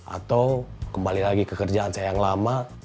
atau kembali lagi ke kerjaan saya yang lama